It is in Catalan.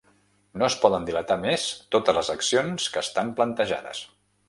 No es poden dilatar més totes les accions que estan plantejades.